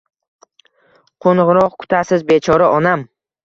Qungiroq kutasiz bechora onam